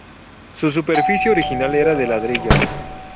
Su superficie original era de ladrillos.